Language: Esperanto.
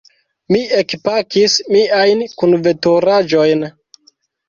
Mi ekpakis miajn kunveturaĵojn.